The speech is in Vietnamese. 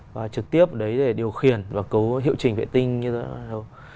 và trực tiếp đấy để điều khiển và cấu hiệu trình vệ tinh như thế nào